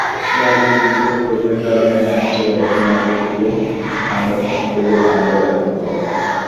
রাজনীতিকদের ক্রোধের কারণে আপসের ঘটনা ঘটলে, আমরা থমকে গেলে, আমরা ব্যর্থ হব।